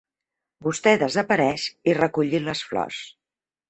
Vostè desapareix i recollir les flors.